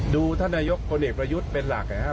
ท่านนายกพลเอกประยุทธ์เป็นหลักนะครับ